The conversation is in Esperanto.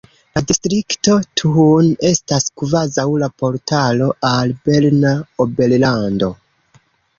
La distrikto Thun estas kvazaŭ la portalo al Berna Oberlando.